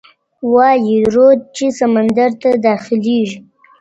وايي رود چي سمندر ته دا خلیږي `